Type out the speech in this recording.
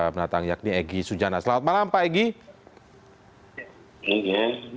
selamat malam pak egy